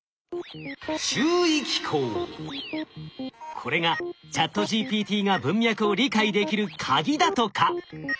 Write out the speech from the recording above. これがＣｈａｔＧＰＴが文脈を理解できるカギだとか。